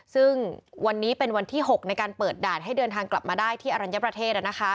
ซึ่งวันนี้เป็นวันที่๖ในการเปิดด่านให้เดินทางกลับมาได้ที่อรัญญประเทศ